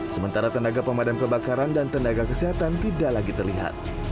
sementara tenaga pemadam kebakaran dan tenaga kesehatan tidak lagi terlihat